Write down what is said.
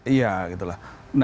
iya gitu lah